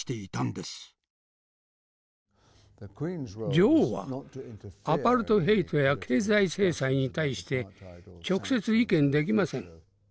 女王はアパルトヘイトや経済制裁に対して直接意見できません。